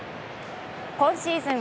今シーズン